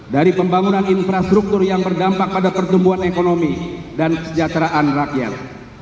dari pembangunan infrastruktur yang berdampak pada pertumbuhan ekonomi dan kesejahteraan rakyat